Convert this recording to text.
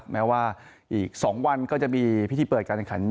แม้ว่าอีก๒วันก็จะมีพิธีเปิดการแข่งขัน